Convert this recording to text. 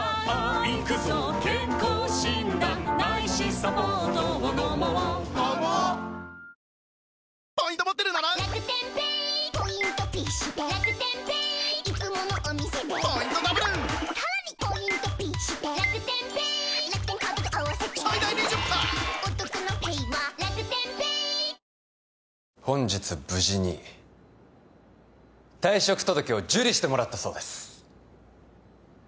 サントリー「金麦」本日無事に退職届を受理してもらったそうです